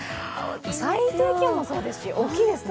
最低気温もそうですし、大きいですね。